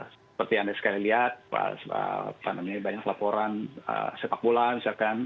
seperti yang anda sekali lihat pak dono ini banyak laporan sepak bola misalkan